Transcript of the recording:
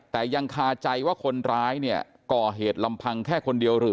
แต่ยังคาใจว่าคนร้ายเนี่ยก่อเหตุลำพังแค่คนเดียวหรือ